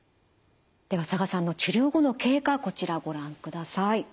では佐賀さんの治療後の経過こちらご覧ください。